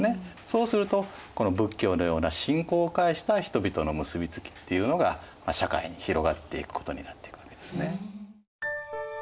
そうするとこの仏教のような信仰を介した人々の結び付きっていうのが社会に広がっていくことになっていくわけですね。